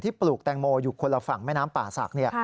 ปลูกแตงโมอยู่คนละฝั่งแม่น้ำป่าศักดิ์